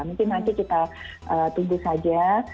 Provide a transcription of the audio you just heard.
mungkin nanti kita tunggu saja